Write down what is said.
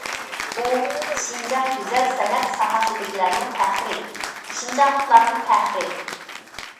ئۇ شىنجاڭ گۈزەل- سەنئەت ساھەسىدىكىلەرنىڭ پەخرى، شىنجاڭلىقلارنىڭ پەخرى.